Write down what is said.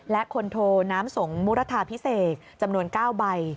และคนโทน้ำสงมุรทาพิเศษจำนวน๙ใบ